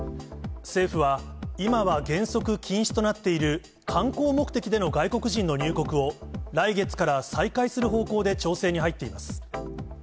政府は、今は原則禁止となっている、観光目的での外国人の入国を、来月から再開する方向で調整に入っています。